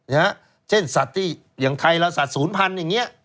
อย่างเช่นสัตว์ที่อย่างไทยเราสัตว์ศูนย์พันธุ์อย่างนี้